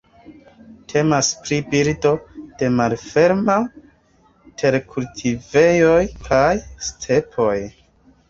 Temas pri birdo de malferma terkultivejoj kaj stepoj.